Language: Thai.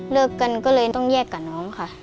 กันก็เลยต้องแยกกับน้องค่ะ